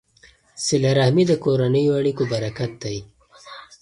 صله رحمي د کورنیو اړیکو برکت دی.